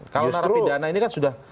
kalau narapidana ini kan sudah